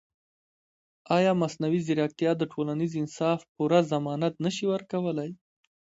ایا مصنوعي ځیرکتیا د ټولنیز انصاف پوره ضمانت نه شي ورکولی؟